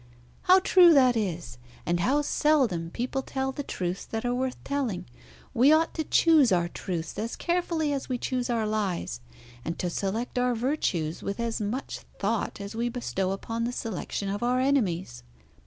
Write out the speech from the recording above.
"How true that is! And how seldom people tell the truths that are worth telling. We ought to choose our truths as carefully as we choose our lies, and to select our virtues with as much thought as we bestow upon the selection of our enemies.